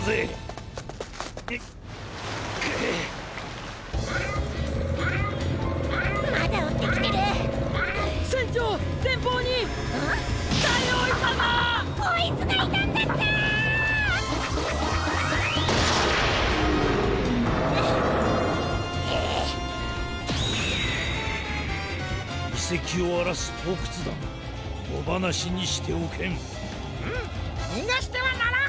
うむにがしてはならん！